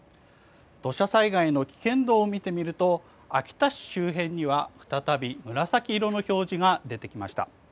土砂災害の危険度を見てみると秋田市周辺には再び紫色の表示が出てきました。